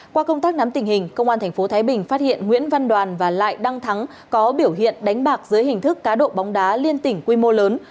qua công tác nắm tình hình công an tp thái bình phát hiện nguyễn văn đoàn và lại đăng thắng có biểu hiện đánh bạc dưới hình thức cá độ bóng đá liên tỉnh quy mô lớn